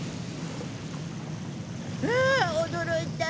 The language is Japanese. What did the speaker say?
ああ驚いた。